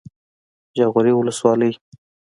جاغوري ولسوالۍ